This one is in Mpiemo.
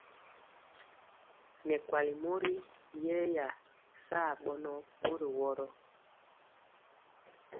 Nɛ kuali mori yɛya saa bɔnɔ mori woro.